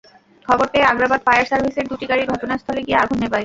খবর পেয়ে আগ্রাবাদ ফায়ার সার্ভিসের দুটি গাড়ি ঘটনাস্থলে গিয়ে আগুন নেভায়।